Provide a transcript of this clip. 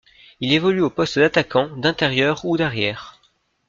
Il évolue au poste d'attaquant, d'intérieur ou d'arrière.